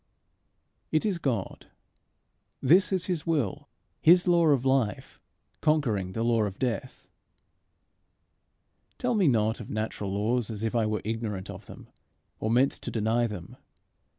It is God. This is his will, his law of life conquering the law of death Tell me not of natural laws, as if I were ignorant of them, or meant to deny them.